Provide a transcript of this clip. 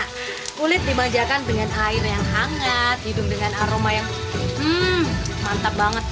karena kulit dimanjakan dengan air yang hangat hidung dengan aroma yang mantap banget